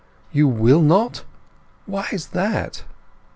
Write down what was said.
"You will not? Why is that?"